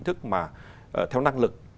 theo năng lực